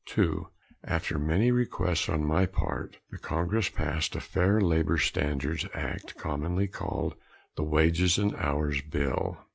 (2) After many requests on my part the Congress passed a Fair Labor Standards Act, commonly called the Wages and Hours Bill.